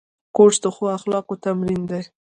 کورس د ښو اخلاقو تمرین دی.